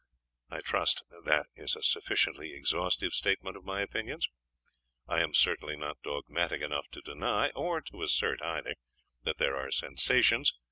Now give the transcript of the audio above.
I trust that is a sufficiently exhaustive statement of my opinions? .... I am certainly not dogmatic enough to deny or to assert either that there are sensations....